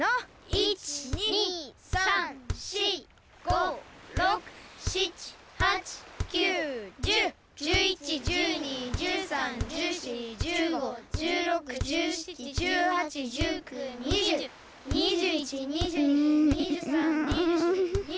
１２３４５６７８９１０１１１２１３１４１５１６１７１８１９２０。